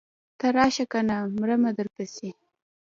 ته راشه کنه مرمه درپسې.